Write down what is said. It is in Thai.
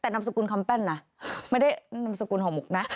แต่นำสกุลคำเป้นเหรอไม่นำสกุลหอหมุกนะ